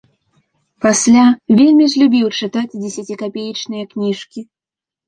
Пасля вельмі ж любіў чытаць дзесяцікапеечныя кніжкі.